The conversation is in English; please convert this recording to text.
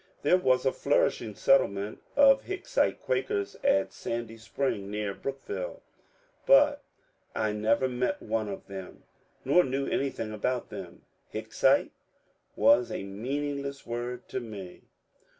There was a flourishing settlement of Hicksite Quakers at Sandy Spring, near Brookville, but I never met one of them, nor knew anything about them. ^^ Hicksite " was a meaning less word to me.